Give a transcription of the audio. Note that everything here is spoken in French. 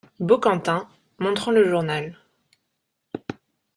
Baucantin , montrant le journal.